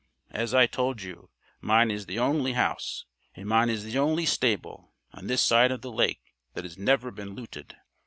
As I told you, mine is the only house and mine is the only stable on this side of the lake that has never been looted.